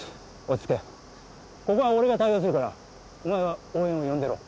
ここは俺が対応するからお前は応援を呼んでろ。